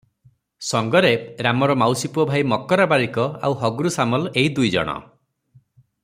ସଙ୍ଗରେ ରାମର ମାଉସୀପୁଅ ଭାଇ ମକ୍ରା ବାରିକ ଆଉ ହଗ୍ରୁ ସାମଲ ଏହି ଦୁଇଜଣ ।